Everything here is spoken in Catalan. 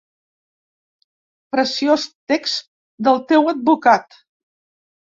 Preciós text del teu advocat.